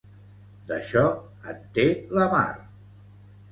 D'això, en té la mar.